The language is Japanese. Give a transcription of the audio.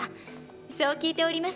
そう聞いております。